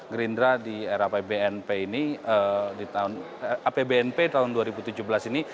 gerindra di era apbnp ini di tahun apbnp tahun dua ribu tujuh belas ini